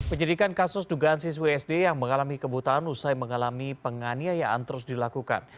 penyidikan kasus dugaan siswi sd yang mengalami kebutaan usai mengalami penganiayaan terus dilakukan